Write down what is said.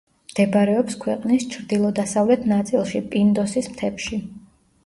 მდებარეობს ქვეყნის ჩრდილო-დასავლეთ ნაწილში პინდოსის მთებში.